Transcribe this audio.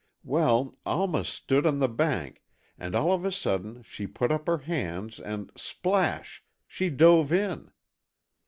Well, Alma stood on the bank, and all of a sudden she put up her hands, and splash!—she dove in!